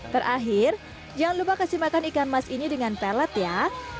terakhir jangan lupa kasih makan ikan mas ini dengan pelet ya